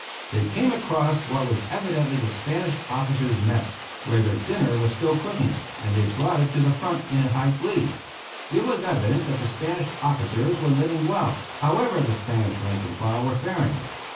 They came across what was evidently the Spanish officers' mess, where their dinner was still cooking, and they brought it to the front in high glee. It was evident that the Spanish officers were living well, however the Spanish rank and file were faring.